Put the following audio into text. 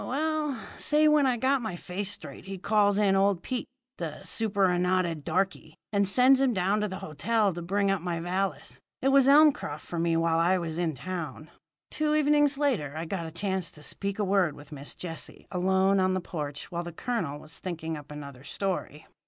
Well, say! When I got my face straight he calls in old Pete, the superannuated darky, and sends him down to the hotel to bring up my valise. It was Elmcroft for me while I was in the town. "Two evenings later I got a chance to speak a word with Miss Jessie alone on the porch while the colonel was thinking up another story.